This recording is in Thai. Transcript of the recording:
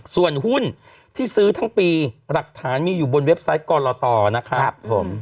ส่วนหุ้นที่ซื้อทั้งปีหลักฐานมีอยู่บนเว็บไซต์กรตนะครับผม